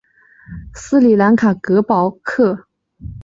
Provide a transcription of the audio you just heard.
斯里兰卡隔保克海峡和印度相望。